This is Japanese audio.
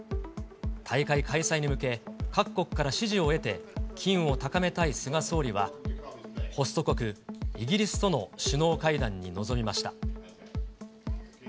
大会開催に向け、各国から支持を得て、機運を高めたい菅総理は、ホスト国、イギリスとの首脳会談に臨みました。